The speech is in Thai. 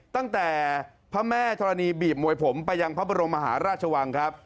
ตั้งแต่พระแม่ธรณีบีบมวยผมไปยังพระบรมมหาราชวังครับ